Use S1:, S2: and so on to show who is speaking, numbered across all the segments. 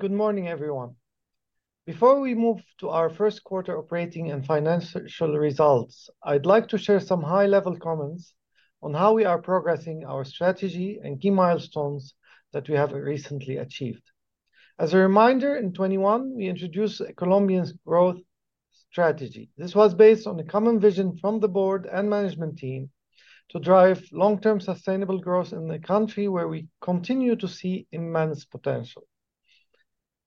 S1: Good morning, everyone. Before we move to our first quarter operating and financial results, I'd like to share some high-level comments on how we are progressing our strategy and key milestones that we have recently achieved. As a reminder, in 2021 we introduced a Colombian growth strategy. This was based on a common vision from the board and management team to drive long-term sustainable growth in the country where we continue to see immense potential.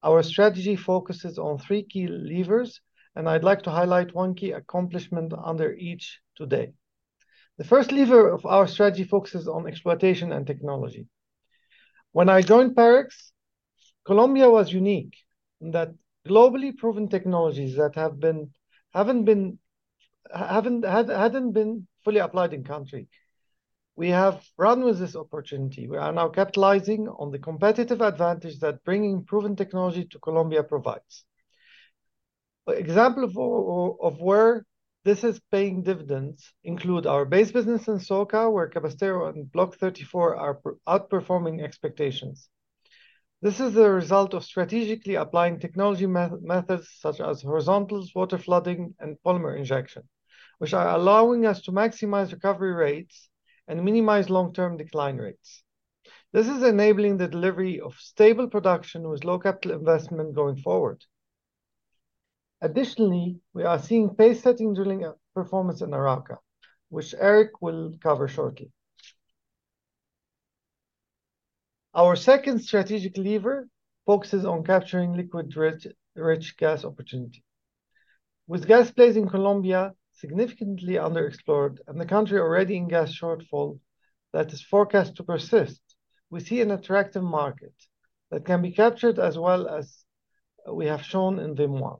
S1: Our strategy focuses on three key levers, and I'd like to highlight one key accomplishment under each today. The first lever of our strategy focuses on exploitation and technology. When I joined Parex, Colombia was unique in that globally proven technologies that haven't been fully applied in country. We have run with this opportunity. We are now capitalizing on the competitive advantage that bringing proven technology to Colombia provides. Examples of where this is paying dividends include our base business in Casanare, where Cabrestero and Block 34 are outperforming expectations. This is the result of strategically applying technology methods such as horizontals, water flooding, and polymer injection, which are allowing us to maximize recovery rates and minimize long-term decline rates. This is enabling the delivery of stable production with low-capital investment going forward. Additionally, we are seeing pace-setting drilling performance in Arauca, which Eric will cover shortly. Our second strategic lever focuses on capturing liquid-rich gas opportunity. With gas plays in Colombia significantly underexplored and the country already in gas shortfall that is forecast to persist, we see an attractive market that can be captured as well as we have shown in VIM-1.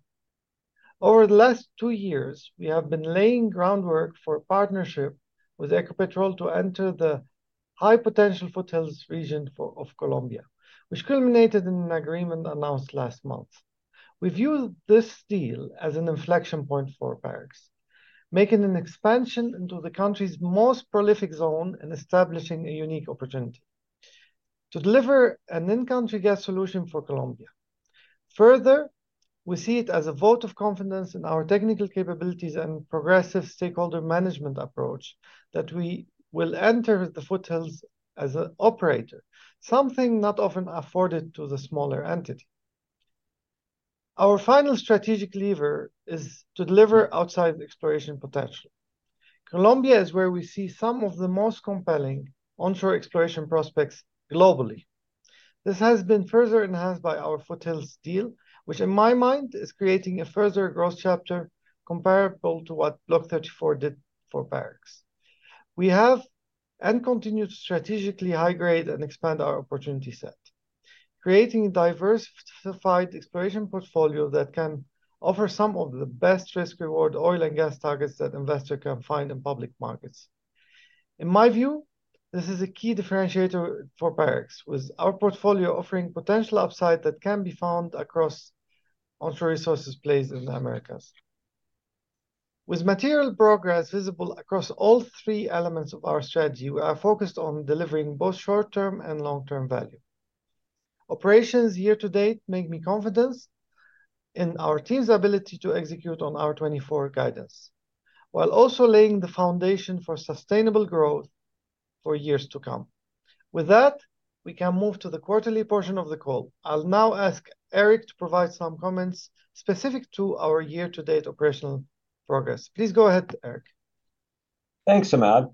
S1: Over the last two years, we have been laying groundwork for a partnership with Ecopetrol to enter the high-potential foothills region of Colombia, which culminated in an agreement announced last month. We view this deal as an inflection point for Parex, making an expansion into the country's most prolific zone and establishing a unique opportunity to deliver an in-country gas solution for Colombia. Further, we see it as a vote of confidence in our technical capabilities and progressive stakeholder management approach that we will enter the foothills as an operator, something not often afforded to the smaller entity. Our final strategic lever is to deliver outside exploration potential. Colombia is where we see some of the most compelling onshore exploration prospects globally. This has been further enhanced by our foothills deal, which in my mind is creating a further growth chapter comparable to what Block 34 did for Parex. We have and continue to strategically high-grade and expand our opportunity set, creating a diversified exploration portfolio that can offer some of the best risk-reward oil and gas targets that investors can find in public markets. In my view, this is a key differentiator for Parex, with our portfolio offering potential upside that can be found across onshore resources plays in the Americas. With material progress visible across all three elements of our strategy, we are focused on delivering both short-term and long-term value. Operations year to date make me confident in our team's ability to execute on 2024 guidance, while also laying the foundation for sustainable growth for years to come. With that, we can move to the quarterly portion of the call. I'll now ask Eric to provide some comments specific to our year-to-date operational progress. Please go ahead, Eric.
S2: Thanks, Imad.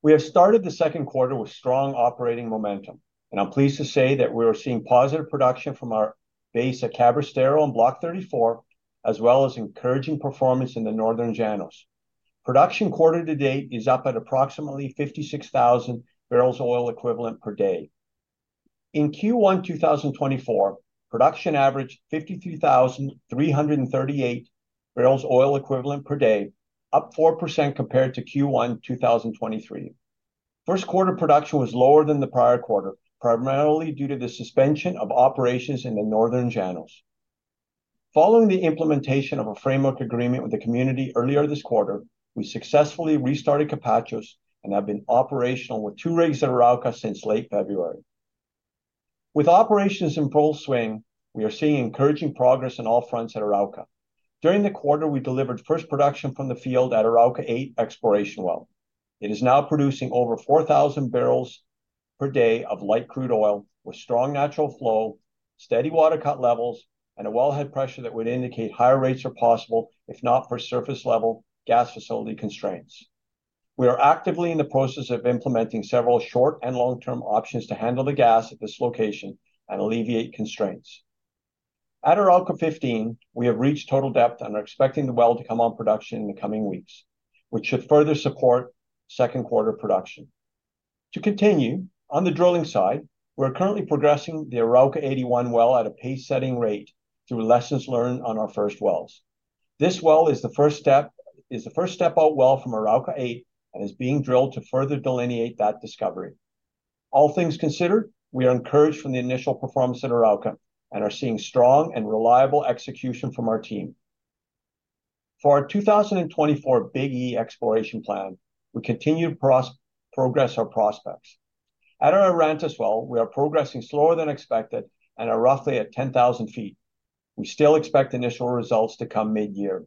S2: We have started the second quarter with strong operating momentum, and I'm pleased to say that we are seeing positive production from our base at Cabrestero and Block 34, as well as encouraging performance in the Northern Llanos. Production quarter to date is up at approximately 56,000 barrels oil equivalent per day. In Q1 2024, production averaged 53,338 barrels oil equivalent per day, up 4% compared to Q1 2023. First quarter production was lower than the prior quarter, primarily due to the suspension of operations in the Northern Llanos. Following the implementation of a framework agreement with the community earlier this quarter, we successfully restarted Capachos and have been operational with two rigs at Arauca since late February. With operations in full swing, we are seeing encouraging progress on all fronts at Arauca. During the quarter, we delivered first production from the field at Arauca-8 exploration well. It is now producing over 4,000 barrels per day of light crude oil with strong natural flow, steady water cut levels, and a wellhead pressure that would indicate higher rates are possible, if not for surface-level gas facility constraints. We are actively in the process of implementing several short and long-term options to handle the gas at this location and alleviate constraints. At Arauca-15, we have reached total depth and are expecting the well to come on production in the coming weeks, which should further support second quarter production. To continue, on the drilling side, we are currently progressing the Arauca-81 well at a pace-setting rate through lessons learned on our first wells. This well is the first step-out well from Arauca-8 and is being drilled to further delineate that discovery. All things considered, we are encouraged from the initial performance at Arauca and are seeing strong and reliable execution from our team. For our 2024 Big 'E' exploration plan, we continue to progress our prospects. At our Arantes well, we are progressing slower than expected and are roughly at 10,000 ft. We still expect initial results to come mid-year.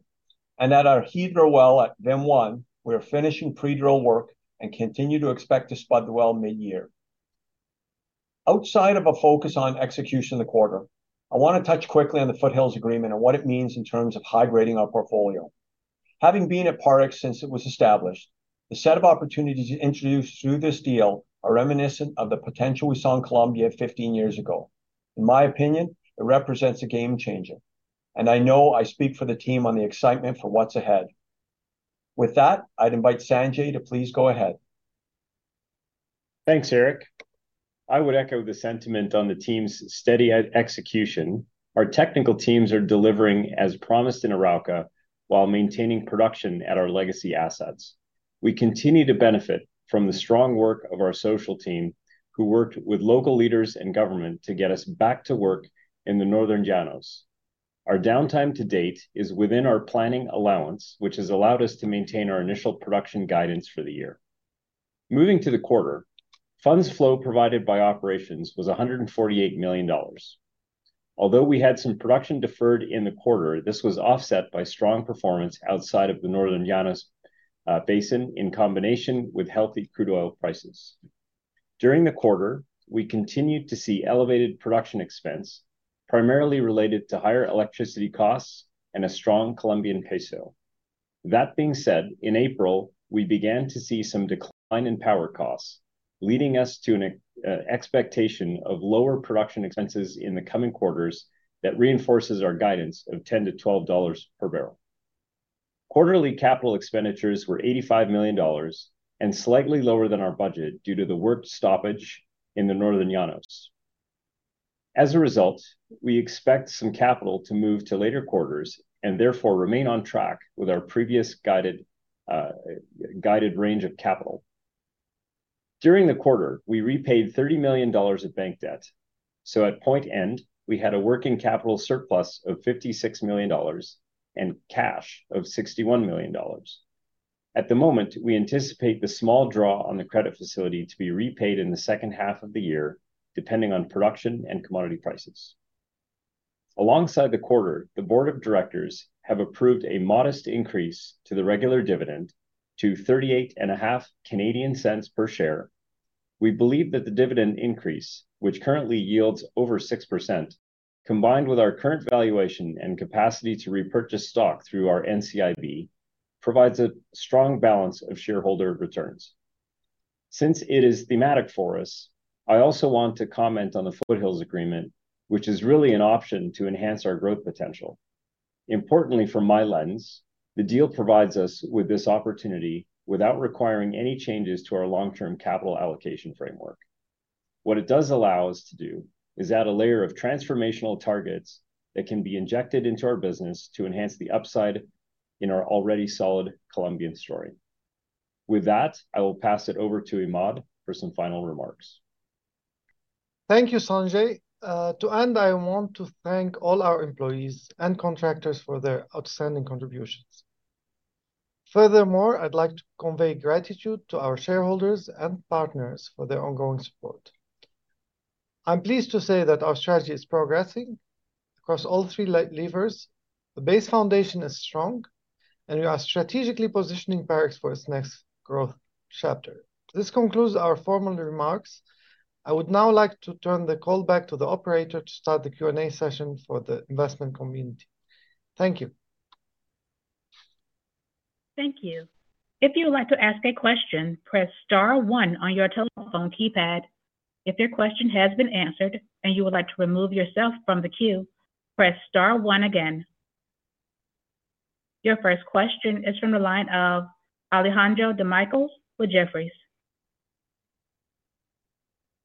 S2: At our Hydra well at VIM-1, we are finishing pre-drill work and continue to expect to spud the well mid-year. Outside of a focus on execution the quarter, I want to touch quickly on the foothills agreement and what it means in terms of high-grading our portfolio. Having been at Parex since it was established, the set of opportunities introduced through this deal are reminiscent of the potential we saw in Colombia 15 years ago. In my opinion, it represents a game-changer. I know I speak for the team on the excitement for what's ahead. With that, I'd invite Sanjay to please go ahead.
S3: Thanks, Eric. I would echo the sentiment on the team's steady execution. Our technical teams are delivering as promised in Arauca while maintaining production at our legacy assets. We continue to benefit from the strong work of our social team who worked with local leaders and government to get us back to work in the Northern Llanos. Our downtime to date is within our planning allowance, which has allowed us to maintain our initial production guidance for the year. Moving to the quarter, funds flow provided by operations was $148 million. Although we had some production deferred in the quarter, this was offset by strong performance outside of the Northern Llanos Basin in combination with healthy crude oil prices. During the quarter, we continued to see elevated production expense, primarily related to higher electricity costs and a strong Colombian peso. That being said, in April, we began to see some decline in power costs, leading us to an expectation of lower production expenses in the coming quarters that reinforces our guidance of $10-$12 per barrel. Quarterly capital expenditures were $85 million and slightly lower than our budget due to the work stoppage in the Northern Llanos. As a result, we expect some capital to move to later quarters and therefore remain on track with our previous guided range of capital. During the quarter, we repaid $30 million of bank debt. So at quarter end, we had a working capital surplus of $56 million and cash of $61 million. At the moment, we anticipate the small draw on the credit facility to be repaid in the second half of the year, depending on production and commodity prices. Alongside the quarter, the Board of Directors have approved a modest increase to the regular dividend to 0.385 per share. We believe that the dividend increase, which currently yields over 6%, combined with our current valuation and capacity to repurchase stock through our NCIB, provides a strong balance of shareholder returns. Since it is thematic for us, I also want to comment on the foothills agreement, which is really an option to enhance our growth potential. Importantly, from my lens, the deal provides us with this opportunity without requiring any changes to our long-term capital allocation framework. What it does allow us to do is add a layer of transformational targets that can be injected into our business to enhance the upside in our already solid Colombian story. With that, I will pass it over to Imad for some final remarks.
S1: Thank you, Sanjay. To end, I want to thank all our employees and contractors for their outstanding contributions. Furthermore, I'd like to convey gratitude to our shareholders and partners for their ongoing support. I'm pleased to say that our strategy is progressing across all three levers. The base foundation is strong, and we are strategically positioning Parex for its next growth chapter. This concludes our formal remarks. I would now like to turn the call back to the operator to start the Q&A session for the investment community. Thank you.
S4: Thank you. If you would like to ask a question, press star one on your telephone keypad. If your question has been answered and you would like to remove yourself from the queue, press star one again. Your first question is from the line of Alejandro Demichelis with Jefferies.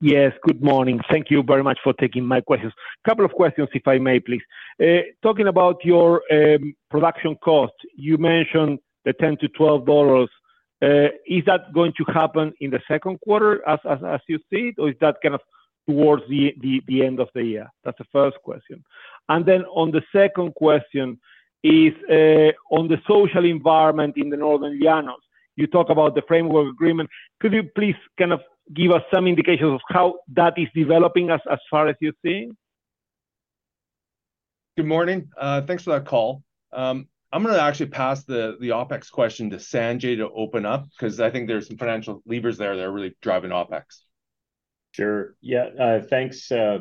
S5: Yes, good morning. Thank you very much for taking my questions. A couple of questions, if I may, please. Talking about your production costs, you mentioned the $10-$12. Is that going to happen in the second quarter as you see it, or is that kind of towards the end of the year? That's the first question. And then on the second question is on the social environment in the Northern Llanos. You talk about the framework agreement. Could you please kind of give us some indications of how that is developing as far as you're seeing?
S6: Good morning. Thanks for that call. I'm going to actually pass the OpEx question to Sanjay to open up because I think there are some financial levers there that are really driving OpEx.
S3: Sure. Yeah, thanks for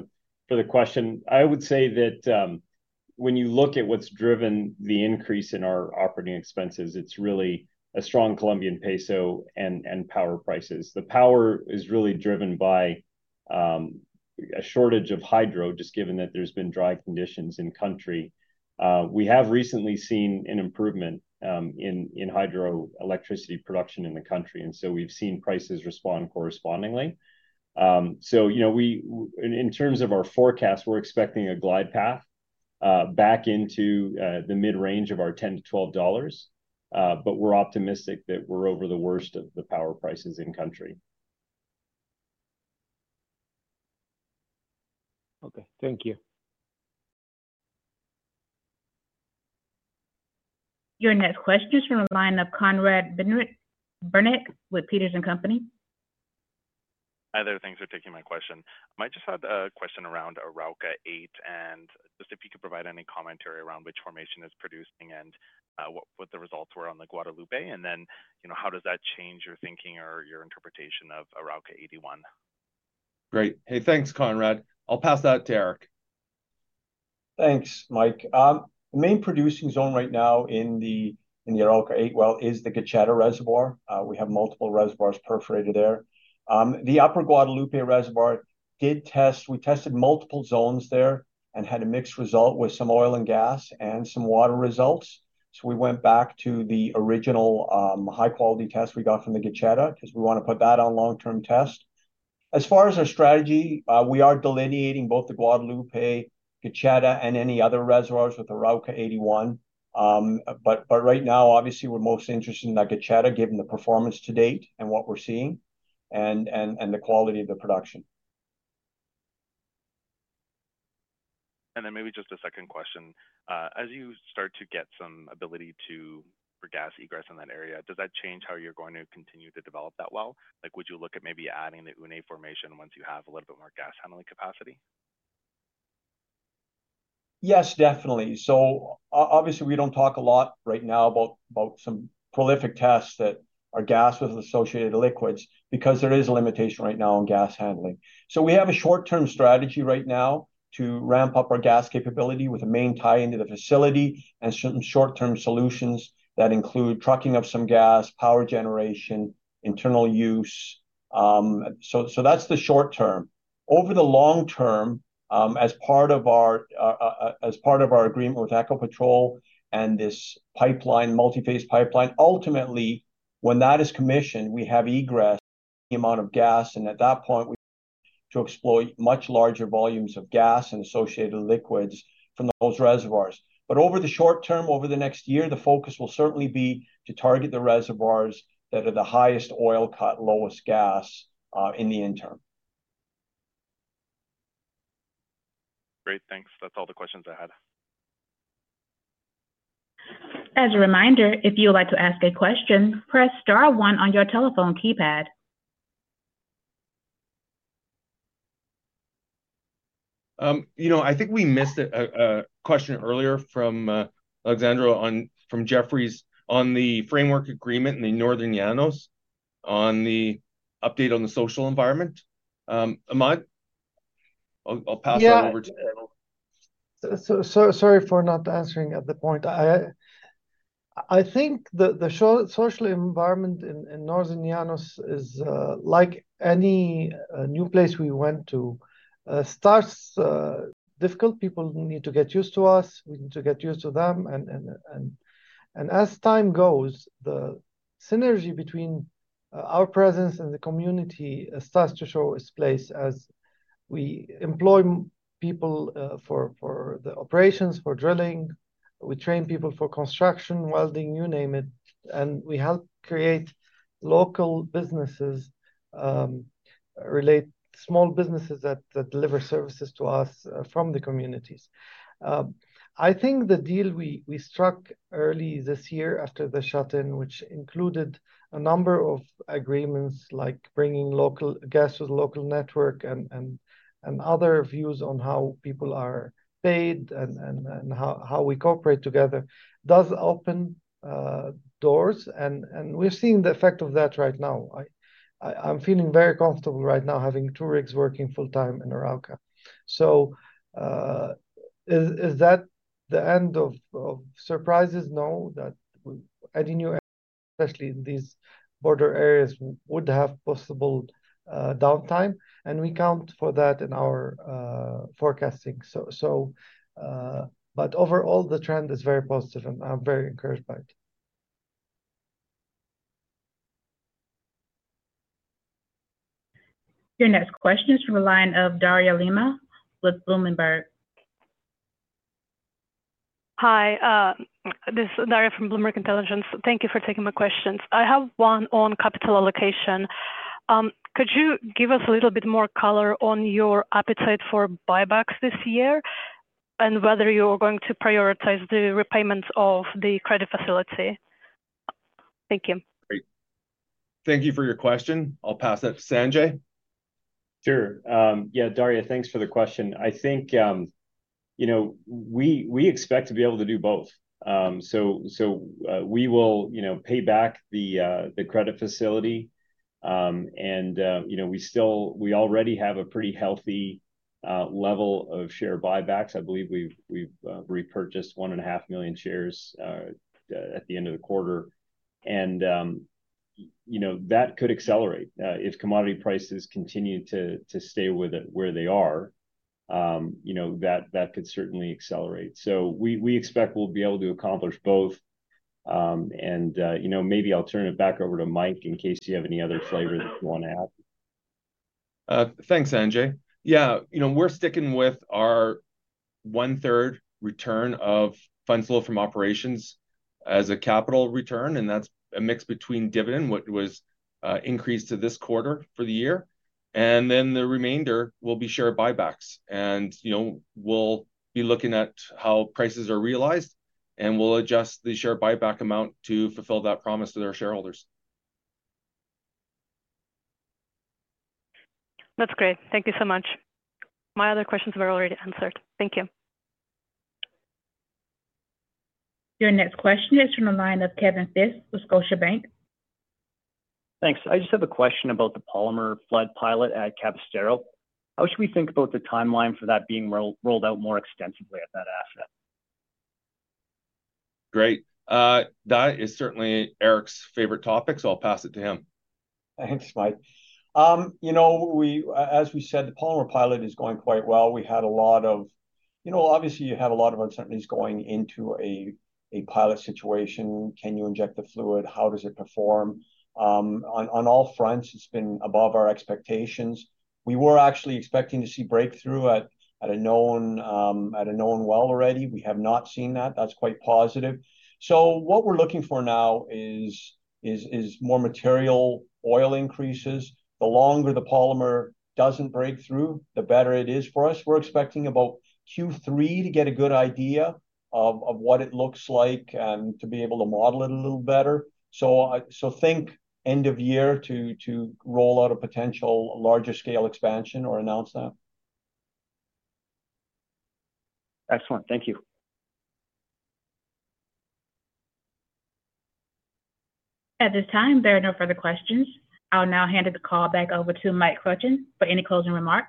S3: the question. I would say that when you look at what's driven the increase in our operating expenses, it's really a strong Colombian peso and power prices. The power is really driven by a shortage of hydro, just given that there's been dry conditions in country. We have recently seen an improvement in hydroelectricity production in the country, and so we've seen prices respond correspondingly. So in terms of our forecast, we're expecting a glide path back into the mid-range of our $10-$12, but we're optimistic that we're over the worst of the power prices in country.
S5: Okay. Thank you.
S4: Your next question is from the line of Conrad Bereznicki with Peters & Company.
S7: Hi there. Thanks for taking my question. I might just have a question around Arauca-8 and just if you could provide any commentary around which formation is producing and what the results were on the Guadalupe, and then how does that change your thinking or your interpretation of Arauca-81?
S6: Great. Hey, thanks, Conrad. I'll pass that to Eric.
S2: Thanks, Mike. The main producing zone right now in the Arauca-8 well is the Gacheta Reservoir. We have multiple reservoirs perforated there. The Upper Guadalupe Reservoir, we tested multiple zones there and had a mixed result with some oil and gas and some water results. So we went back to the original high-quality test we got from the Gacheta because we want to put that on long-term test. As far as our strategy, we are delineating both the Guadalupe, Gacheta, and any other reservoirs with Arauca-81. But right now, obviously, we're most interested in that Gacheta given the performance to date and what we're seeing and the quality of the production.
S7: Maybe just a second question. As you start to get some ability for gas egress in that area, does that change how you're going to continue to develop that well? Would you look at maybe adding the Une formation once you have a little bit more gas handling capacity?
S2: Yes, definitely. So obviously, we don't talk a lot right now about some prolific tests that are gas with associated liquids because there is a limitation right now on gas handling. So we have a short-term strategy right now to ramp up our gas capability with a main tie into the facility and some short-term solutions that include trucking of some gas, power generation, internal use. So that's the short-term. Over the long-term, as part of our agreement with Ecopetrol and this multi-phase pipeline, ultimately, when that is commissioned, we have egressed the amount of gas, and at that point, we to explore much larger volumes of gas and associated liquids from those reservoirs. But over the short-term, over the next year, the focus will certainly be to target the reservoirs that are the highest oil cut, lowest gas in the interim.
S7: Great. Thanks. That's all the questions I had.
S4: As a reminder, if you would like to ask a question, press star one on your telephone keypad.
S6: I think we missed a question earlier from Alejandro from Jefferies on the framework agreement in the Northern Llanos on the update on the social environment. Imad? I'll pass that over to you.
S1: Yeah. Sorry for not answering at the point. I think the social environment in Northern Llanos is like any new place we went to. It starts difficult. People need to get used to us. We need to get used to them. And as time goes, the synergy between our presence and the community starts to show its place as we employ people for the operations, for drilling. We train people for construction, welding, you name it. And we help create local businesses, small businesses that deliver services to us from the communities. I think the deal we struck early this year after the shutdown, which included a number of agreements like bringing gas to the local network and other views on how people are paid and how we cooperate together, does open doors. And we're seeing the effect of that right now. I'm feeling very comfortable right now having two rigs working full-time in Arauca. So is that the end of surprises? No. Any new, especially in these border areas, would have possible downtime. We account for that in our forecasting. Overall, the trend is very positive, and I'm very encouraged by it.
S4: Your next question is from the line of Dhairya Lima with Bloomberg.
S8: Hi. This is Dhairya from Bloomberg Intelligence. Thank you for taking my questions. I have one on capital allocation. Could you give us a little bit more color on your appetite for buybacks this year and whether you're going to prioritize the repayment of the credit facility? Thank you.
S6: Great. Thank you for your question. I'll pass that to Sanjay.
S3: Sure. Yeah, Dhairya, thanks for the question. I think we expect to be able to do both. So we will pay back the credit facility. And we already have a pretty healthy level of share buybacks. I believe we've repurchased 1.5 million shares at the end of the quarter. And that could accelerate. If commodity prices continue to stay where they are, that could certainly accelerate. So we expect we'll be able to accomplish both. And maybe I'll turn it back over to Mike in case you have any other flavor that you want to add.
S6: Thanks, Sanjay. Yeah, we're sticking with our 1/3 return of funds flow from operations as a capital return, and that's a mix between dividend, what was increased to this quarter for the year. And then the remainder will be share buybacks. And we'll be looking at how prices are realized, and we'll adjust the share buyback amount to fulfill that promise to their shareholders.
S8: That's great. Thank you so much. My other questions were already answered. Thank you.
S4: Your next question is from the line of Kevin Fisk with Scotiabank.
S9: Thanks. I just have a question about the polymer flood pilot at Cabrestero. How should we think about the timeline for that being rolled out more extensively at that asset?
S6: Great. That is certainly Eric's favorite topic, so I'll pass it to him.
S2: Thanks, Mike. As we said, the polymer pilot is going quite well. We had a lot of obviously, you have a lot of uncertainties going into a pilot situation. Can you inject the fluid? How does it perform? On all fronts, it's been above our expectations. We were actually expecting to see breakthrough at a known well already. We have not seen that. That's quite positive. So what we're looking for now is more material oil increases. The longer the polymer doesn't break through, the better it is for us. We're expecting about Q3 to get a good idea of what it looks like and to be able to model it a little better. So think end of year to roll out a potential larger-scale expansion or announce that.
S9: Excellent. Thank you.
S4: At this time, there are no further questions. I'll now hand the call back over to Mike Kruchten for any closing remarks.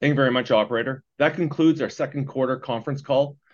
S6: Thank you very much, operator. That concludes our second quarter conference call.